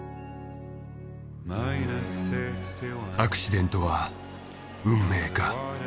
アクシデントは運命か